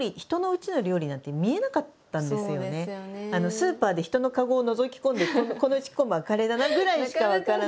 スーパーで人のカゴをのぞき込んでこのうち今晩カレーだなぐらいしか分からない。